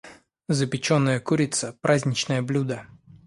Запеченная курица - праздничное блюдо.